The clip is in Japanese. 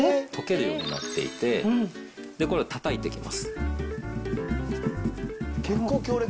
溶けるようになっていて、これをたたいていきます。